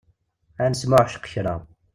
Ad nesmuɛceq kra.